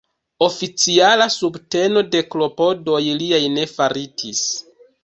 Oficiala subteno de klopodoj liaj ne faritis.